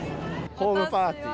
ホームパーティー。